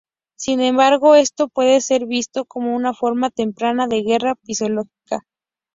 Sin embargo, esto puede ser visto como una forma temprana de guerra psicológica.